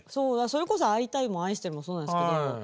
それこそ会いたいも愛してるもそうなんですけど。